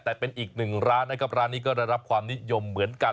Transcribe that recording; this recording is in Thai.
แต่เป็นอีกหนึ่งร้านนะครับร้านนี้ก็ได้รับความนิยมเหมือนกัน